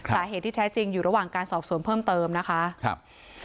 สาเหตุที่แท้จริงอยู่ระหว่างการสอบสวนเพิ่มเติมนะคะครับ